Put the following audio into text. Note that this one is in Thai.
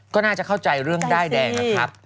ก็น่าจะเข้าใจเรื่องด้ายแดงนะครับ